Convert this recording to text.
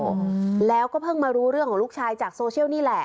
ที่คุณแม่เขาโชว์แล้วก็เพิ่งมารู้เรื่องของลูกชายจากโซเชียลนี่แหละ